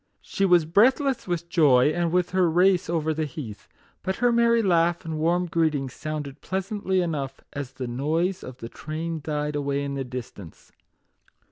She was breathless with joy, and with her race over the heath ; but her merry laugh and warm greeting sounded pleasantly enough as the noise of the train died away in the distance.